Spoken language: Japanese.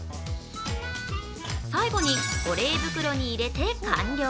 最後に保冷袋に入れて完了。